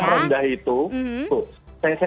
yang rendah itu tuh